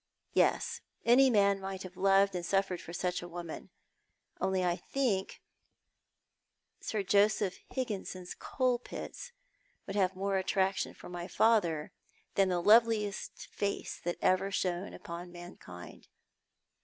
Yes, any man might have loved and suffered for such a woman ; only I think Sir Joseph Higginson's coal pits would have more attraction for ray father than the loveliest face that ever shone upon mankind.